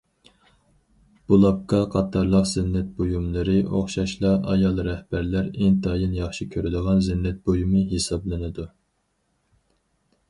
بۇلاپكا قاتارلىق زىننەت بۇيۇملىرى ئوخشاشلا ئايال رەھبەرلەر ئىنتايىن ياخشى كۆرىدىغان زىننەت بۇيۇمى ھېسابلىنىدۇ.